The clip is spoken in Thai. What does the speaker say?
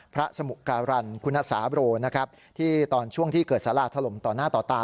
พระสมุกรรรณคุณศาโรที่ตอนช่วงที่เกิดสาราทธลมต่อหน้าต่อตา